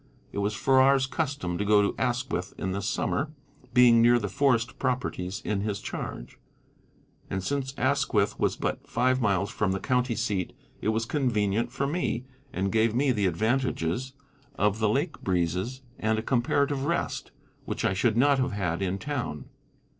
It was Farrar's custom to go to Asquith in the summer, being near the forest properties in his charge; and since Asquith was but five miles from the county seat it was convenient for me, and gave me the advantages of the lake breezes and a comparative rest, which I should not have had in town.